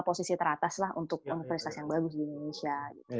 posisi teratas lah untuk universitas yang bagus di indonesia